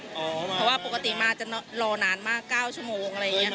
เพราะว่าปกติมาจะรอนานมาก๙ชั่วโมง